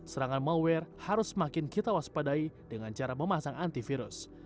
serangan malware harus semakin kita waspadai dengan cara memasang antivirus